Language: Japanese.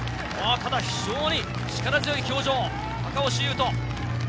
ただ非常に力強い表情、赤星雄斗。